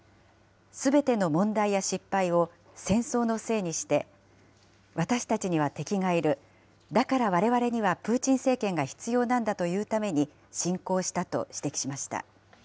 すべての問題や失敗を戦争のせいにして、私たちには敵がいる、だからわれわれにはプーチン政権が必要なんだと言うために侵攻したと指摘しました。